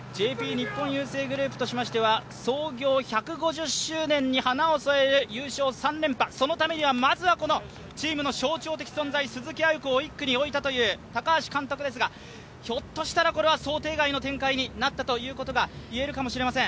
日本郵政グループとしては創業１５０周年に花を添える優勝３連覇のために、まずはチームの象徴である鈴木亜由子を１区に置いたという高橋監督ですが、ひょっとしたら、これは想定外の展開になったといえるかもしれません。